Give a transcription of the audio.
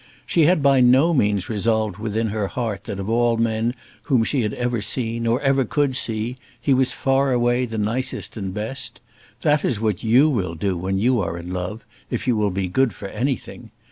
She had by no means resolved within her heart that of all the men whom she had ever seen, or ever could see, he was far away the nicest and best. That is what you will do when you are in love, if you be good for anything.